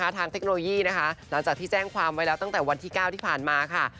เทคโนโลยีนะคะหลังจากที่แจ้งความไว้แล้วตั้งแต่วันที่๙ที่ผ่านมาค่ะ